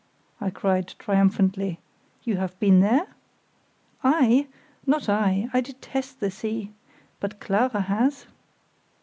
I cried, triumphantly, "you have been there?" "I? Not I; I detest the sea! But Clara has."